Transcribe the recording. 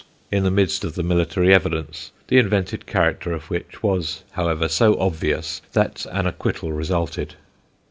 in the midst of the military evidence, the invented character of which was, however, so obvious that an acquittal resulted.